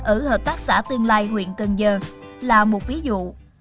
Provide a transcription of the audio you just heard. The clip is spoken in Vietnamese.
ở hợp tác xã tương lai huyện cần giờ là một ví dụ